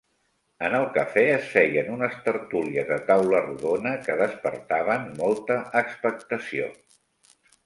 En el cafè es feien unes tertúlies de taula rodona que despertaven molta expectació.